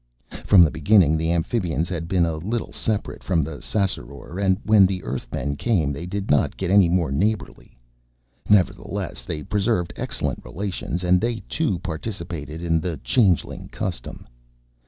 From the beginning the Amphibians had been a little separate from the Ssassaror and when the Earthmen came they did not get any more neighborly. Nevertheless, they preserved excellent relations and they, too, participated in the Changeling custom.